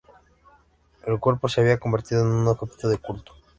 El cuerpo se había convertido en objeto de culto.